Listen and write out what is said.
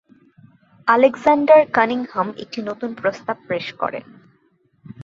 Alexander Cunningham একটি নতুন প্রস্তাব পেশ করেন।